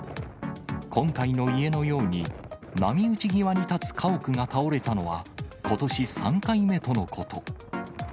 今回の家のように、波打ち際に建つ家屋が倒れたのは、ことし３回目とのこと。